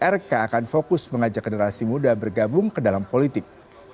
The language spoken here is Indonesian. rk akan fokus mengajak generasi muda bergabung ke dalam politik